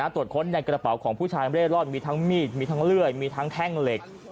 ตรวจค้นในกระเป๋าของผู้ชายเร่ร่อนมีทั้งมีดมีทั้งเลื่อยมีทั้งแท่งเหล็ก